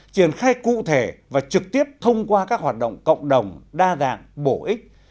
triển khai cụ thể và trực tiếp thông qua các hoạt động cộng đồng đa dạng bổ ích